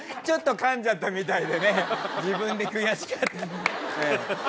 ちょっとかんじゃったみたいでね自分で悔しがって。